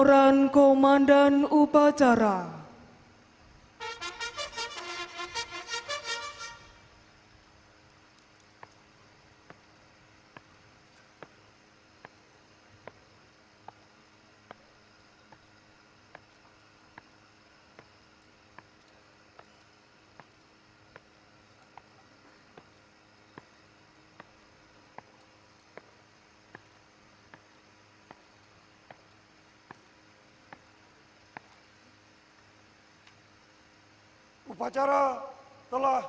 penghormatan kepada panji panji kepolisian negara republik indonesia tri brata